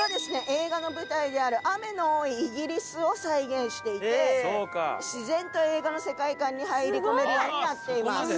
映画の舞台である雨の多いイギリスを再現していて自然と映画の世界観に入り込めるようになっています。